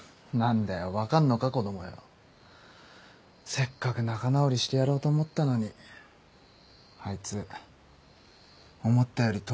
せっかく仲直りしてやろうと思ったのにあいつ思ったより遠くを走ってたみてえだ。